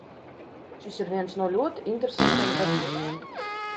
Šis ir viens no ļoti interesantiem gadījumiem.